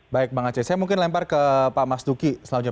baik bang aceh saya mungkin lempar ke pak mas duki selanjutnya